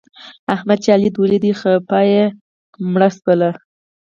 احمد چې علي وليد؛ خپه يې مړه شول.